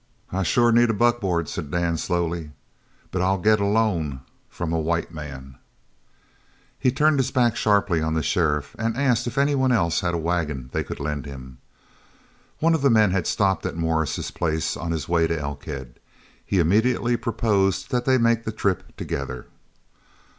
"I sure need a buckboard," said Dan slowly, "but I'll get the loan from a white man!" He turned his back sharply on the sheriff and asked if any one else had a wagon they could lend him. One of the men had stopped at Morris's place on his way to Elkhead. He immediately proposed that they make the trip together.